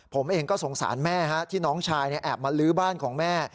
ผมเองก็สงสารแม่ที่น้องชายแอบมาลื้อบ้านของแม่